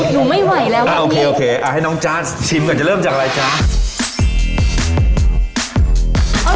หนูไม่ไหวแล้วนะโอเคโอเคให้น้องจ๊ะชิมก่อนจะเริ่มจากอะไรจ๊ะ